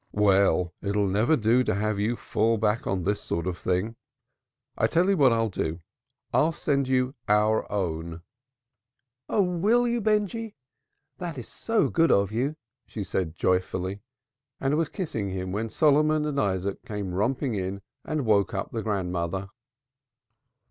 "Well, it'll never do if you have to fall back on this sort of thing. I'll tell you what I'll do. I'll send you Our Own." "Oh, will you, Benjy? That is good of you," she said joyfully, and was kissing him when Solomon and Isaac came romping in and woke up the grandmother.